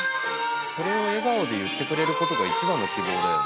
それを笑顔で言ってくれることが一番の希望だよ。